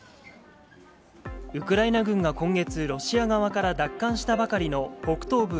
ウクライナ軍が今月、ロシア側から奪還したばかりの北東部